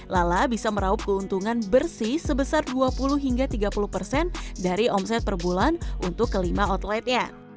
lala bisa meraup keuntungan bersih sebesar dua puluh hingga tiga puluh persen dari omset per bulan untuk kelima outletnya